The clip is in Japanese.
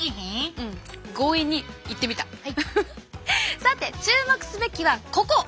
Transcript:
さて注目すべきはここ。